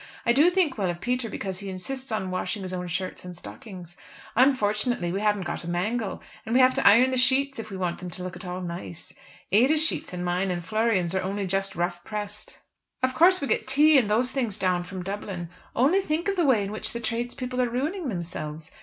I do think well of Peter because he insists on washing his own shirts and stockings. Unfortunately we haven't got a mangle, and we have to iron the sheets if we want them to look at all nice. Ada's sheets and mine, and Florian's, are only just rough pressed. Of course we get tea and those things down from Dublin. Only think of the way in which the tradespeople are ruining themselves.